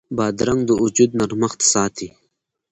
بادرنګ د وجود نرمښت ساتي.